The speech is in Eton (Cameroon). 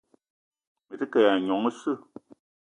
Me te ke ayi nyong oseu.